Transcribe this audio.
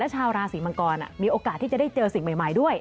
ชาวราศีมังกรมีโอกาสที่จะได้เจอสิ่งใหม่ด้วย